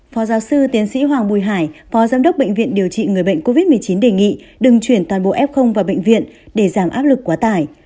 phó giáo sư tiến sĩ hoàng bùi hải phó giám đốc bệnh viện điều trị người bệnh covid một mươi chín đề nghị đừng chuyển toàn bộ f vào bệnh viện để giảm áp lực quá tải